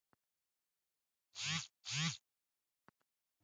ویل یې: په دې به مې غوږ هم نه وینئ.